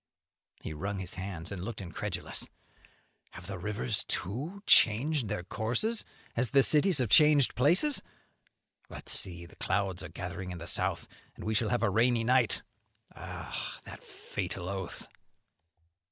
He wrung his hands and looked incredulous. "Have the rivers, too, changed their courses as the cities have changed places? But see, the clouds are gathering in the south, and we shall have a rainy night. Ah, that fatal oath!"